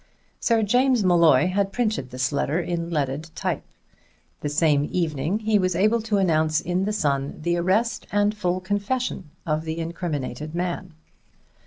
Sir James Molloy had printed this letter in leaded type. The same evening he was able to announce in the Sun the arrest and full confession of the incriminated man.